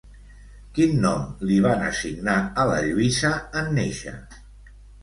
Quin nom li van assignar a la Lluïsa en néixer?